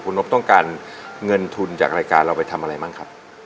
คุณนบต้องการเงินทุนจากรายการเราไปทำอะไรบ้างครับ